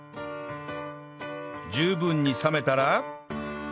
十分に冷めたら